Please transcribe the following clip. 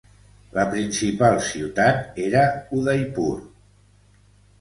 La principal ciutat era Udaipur.